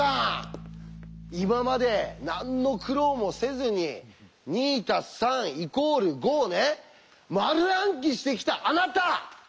今まで何の苦労もせずに「２＋３＝５」をね丸暗記してきたあなた！